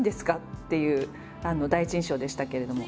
っていう第一印象でしたけれども。